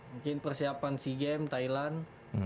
mungkin persiapan sea games thailand